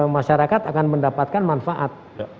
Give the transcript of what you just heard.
masyarakat akan mendapatkan manfaat